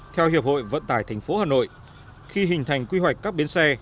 theo hiệp hội vận tải thành phố hà nội khi hình thành quy hoạch các bến xe